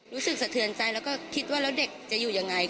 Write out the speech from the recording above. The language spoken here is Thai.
รู้สึกเสธื่นใจแล้วเขาคิดว่าเด็กคือยังไง